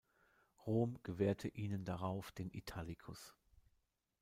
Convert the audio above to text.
Rom "gewährte" ihnen daraufhin den Italicus.